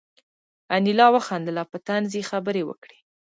انیلا وخندل او په طنز یې خبرې وکړې